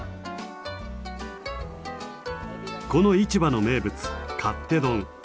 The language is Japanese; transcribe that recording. この市場の名物「勝手丼」。